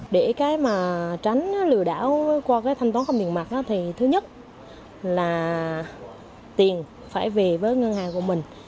để tránh lừa đảo qua thanh toán không tiền mặt thứ nhất là tiền phải về với ngân hàng của mình